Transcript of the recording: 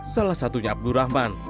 salah satunya abdul rahman